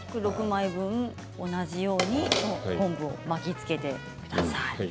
６枚分同じように昆布を巻きつけてください。